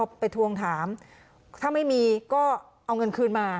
ไปทวงถามถ้าไม่มีก็เอาเงินคืนมา